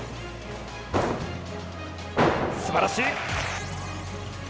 すばらしい！